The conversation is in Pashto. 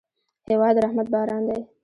هېواد د رحمت باران دی.